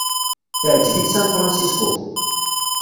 Teɛjeb-ik San Francisco?